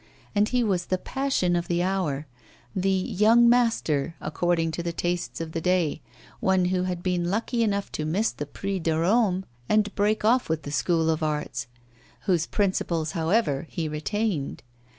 And he was the passion of the hour, the 'young master' according to the tastes of the day, one who had been lucky enough to miss the Prix de Rome, and break off with the School of Arts, whose principles, however, he retained.